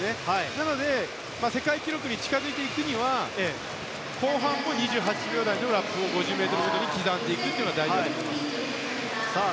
なので世界記録に近づいていくには後半も２８秒台のラップを５０ｍごとに刻んでいくのが大事だと思います。